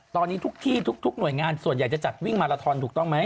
ตอนนี้ทุกที่ทุกหน่วยงานส่วนใหญ่จะจัดวิ่งมาลาทอนถูกต้องไหม